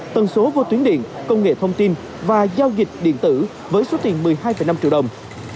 tần số vô tuyến điện công nghệ thông tin và giao dịch điện tử với số tiền một mươi hai năm triệu đồng